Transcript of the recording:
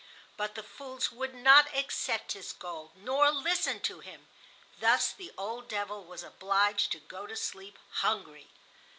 But the fools would not accept his gold, nor listen to him. Thus the old devil was obliged to go to sleep hungry.